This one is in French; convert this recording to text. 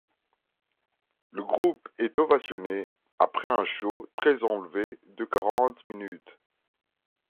Le groupe est ovationné après un show très enlevé de quarante minutes.